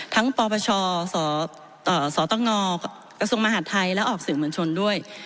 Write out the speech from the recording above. ทั้งปปชสตงกมหัฐไทยและอศิลป์เมืองชนด้วย